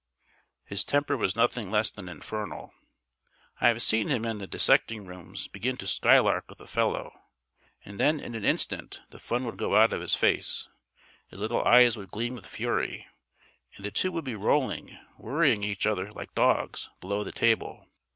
His temper was nothing less than infernal. I have seen him in the dissecting rooms begin to skylark with a fellow, and then in an instant the fun would go out of his face, his little eyes would gleam with fury, and the two would be rolling, worrying each other like dogs, below the table.